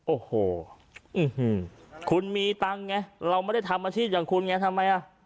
โอ้โหคุณมีตังค์ไงเราไม่ได้ทำอาชีพอย่างคุณไงทำไมอ่ะ